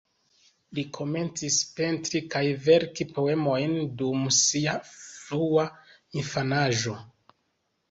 Li komencis pentri kaj verki poemojn dum sia frua infanaĝo.